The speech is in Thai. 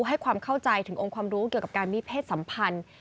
ให้ความเข้าใจถึงองค์ความรู้เกี่ยวกับการมีเพศสัมพันธ์